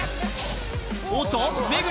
おっと目黒